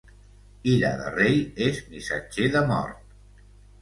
Ira de rei és missatger de mort.